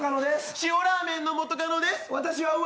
塩ラーメンの元カノです。